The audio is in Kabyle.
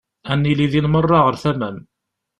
Ad nili din merra ɣer tama-m.